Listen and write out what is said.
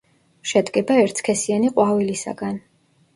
შედგება ერთსქესიანი ყვავილისაგან.